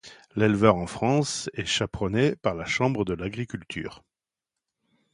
L'éleveur en France est chaperonné par la Chambre de l'Agriculture.